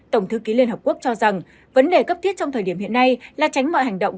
tổng thư ký liên hợp quốc cho rằng vấn đề cấp thiết trong thời điểm hiện nay là tránh mọi hành động